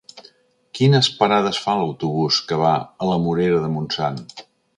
Quines parades fa l'autobús que va a la Morera de Montsant?